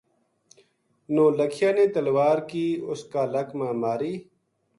نو لکھیا نے تلوار کی اس کا لک ما ماری